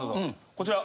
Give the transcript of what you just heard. こちら！